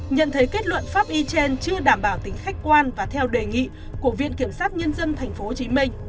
nhận thấy kết luận pháp y trên chưa đảm bảo tính khách quan và theo đề nghị của viện kiểm sát nhân dân tp hcm